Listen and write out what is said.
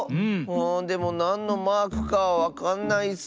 でもなんのマークかはわかんないッス。